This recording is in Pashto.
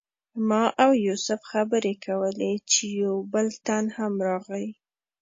ما او یوسف خبرې کولې چې یو بل تن هم راغی.